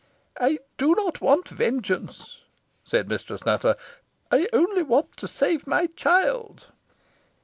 "I do not want vengeance," said Mistress Nutter; "I only want to save my child."